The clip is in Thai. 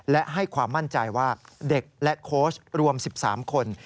และให้ความมั่นใจว่าเด็กและโค้ชรวม๑๓คน